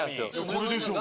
これでしょう。